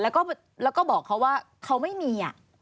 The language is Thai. แล้วก็บอกเขาว่าเขาไม่มี